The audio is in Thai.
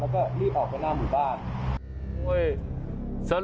แล้วก็รีบออกไปหน้าหมู่บ้าน